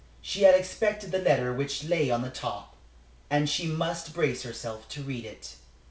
She had expected the letter which lay on the top, and she must brace herself to read it.